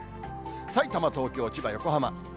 さいたま、東京、千葉、横浜。